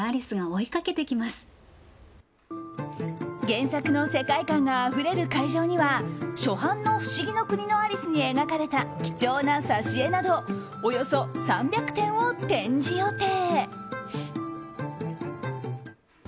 原作の世界観があふれる会場には初版の「不思議の国のアリス」に描かれた貴重な挿絵などおよそ３００点を展示予定。